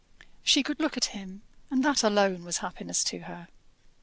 She could look at him, and that alone was happiness to her.